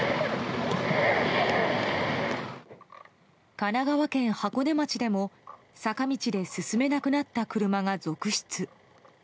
神奈川県箱根町でも坂道で進めなくなった車が続出。